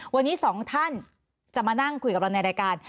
วันนี้สองท่านจะมานั่งคุยกับเราในรายการ